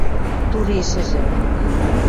Турешӹжӹ.